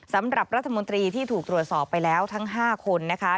สำหรับรัฐมนตรีที่ถูกตรวจสอบไปแล้วทั้ง๕คนนะคะ